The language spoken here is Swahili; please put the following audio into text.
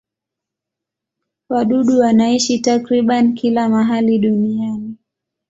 Wadudu wanaishi takriban kila mahali duniani.